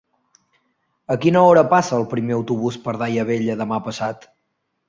A quina hora passa el primer autobús per Daia Vella demà passat?